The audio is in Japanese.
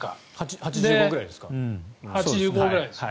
８５％ぐらいですか。